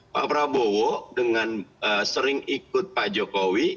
pak prabowo dengan sering ikut pak jokowi